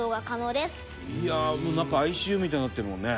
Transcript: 「いやあなんかＩＣＵみたいになってるもんね」